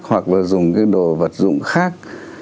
hoặc là dùng cái đồ vật dụng khác